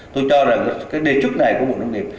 tôi cho rằng cái đề chức này của bộ nông nghiệp